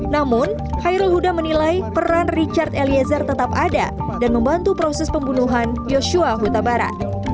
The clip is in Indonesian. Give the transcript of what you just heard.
namun khairul huda menilai peran richard eliezer tetap ada dan membantu proses pembunuhan yosua huta barat